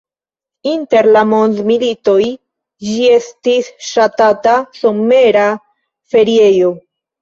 Inter la mondmilitoj ĝi estis ŝatata somera feriejo.